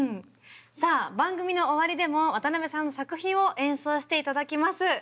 さあ番組の終わりでも渡辺さんの作品を演奏して頂きます。